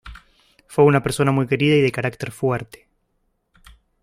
Fue una persona muy querida y de carácter fuerte.